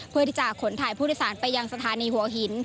เพื่อที่จะขนถ่ายผู้โดยสารไปยังสถานีหัวหิน